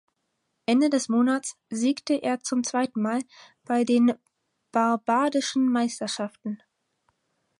Ende des Monat siegte er zum zweiten Mal bei den Barbadischen Meisterschaften.